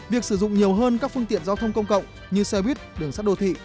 việc sử dụng nhiều hơn các phương tiện giao thông công cộng như xe buýt đường sắt đô thị